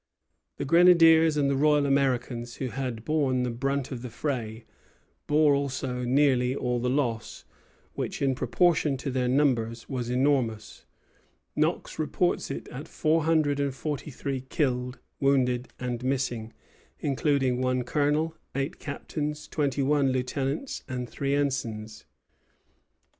The grenadiers and the Royal Americans, who had borne the brunt of the fray, bore also nearly all the loss; which, in proportion to their numbers, was enormous. Knox reports it at four hundred and forty three, killed, wounded, and missing, including one colonel, eight captains, twenty one lieutenants, and three ensigns.